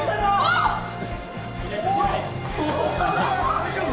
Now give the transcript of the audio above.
大丈夫？